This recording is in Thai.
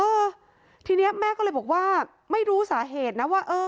เออทีเนี้ยแม่ก็เลยบอกว่าไม่รู้สาเหตุนะว่าเออ